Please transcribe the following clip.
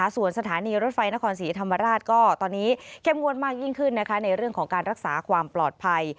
ส่วนสถานีรถไฟนครศรีธรรมราชก็ตอนนี้เข้มงวดมากยิ่งขึ้นในเรื่องของการรักษาความปลอดภัย